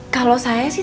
kalau saya sih